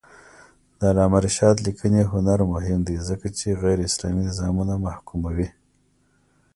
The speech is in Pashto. د علامه رشاد لیکنی هنر مهم دی ځکه چې غیراسلامي نظامونه محکوموي.